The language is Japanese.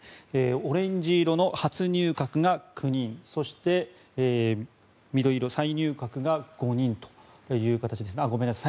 オレンジ色の初入閣が９人そして、青色、再入閣が５人という形ですね。